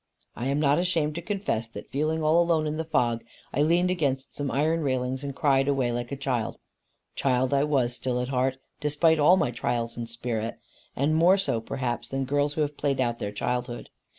I am not ashamed to confess that feeling all alone in the fog, I leaned against some iron railings and cried away like a child. Child I was still at heart, despite all my trials and spirit; and more so perhaps than girls who have played out their childhood.